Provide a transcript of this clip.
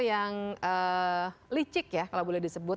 yang licik ya kalau boleh disebut